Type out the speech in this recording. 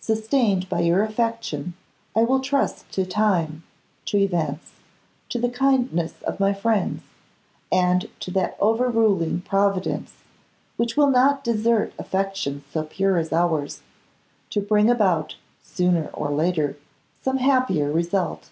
Sustained by your affection, I will trust to time, to events, to the kindness of my friends, and to that overruling Providence, which will not desert affections so pure as ours, to bring about sooner or later some happier result.